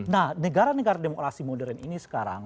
nah negara negara demokrasi modern ini sekarang